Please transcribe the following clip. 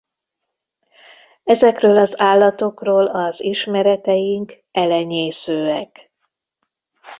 Ezekről az állatokról az ismereteink elenyészőek.